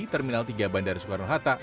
terminal tiga bandara soekarno hatta